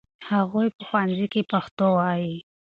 هغوی په ښوونځي کې پښتو وايي.